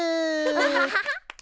ハハハハ。